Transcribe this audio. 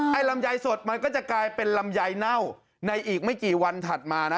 ลำไยสดมันก็จะกลายเป็นลำไยเน่าในอีกไม่กี่วันถัดมานะ